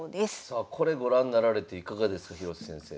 さあこれご覧なられていかがですか広瀬先生。